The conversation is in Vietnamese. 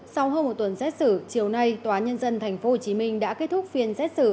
sau hơn một tuần xét xử chiều nay tòa nhân dân tp hcm đã kết thúc phiên xét xử